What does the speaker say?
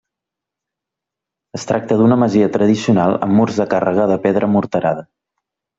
Es tracta d'una masia tradicional amb murs de càrrega de pedra morterada.